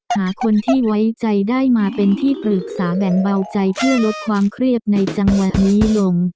หาคนที่ไว้ใจได้มาเป็นที่ปรึกษาแบ่งเบาใจเพื่อลดความเครียดในจังหวัดนี้ลง